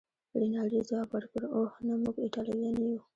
رینالډي ځواب ورکړ: اوه، نه، موږ ایټالویان نه یو.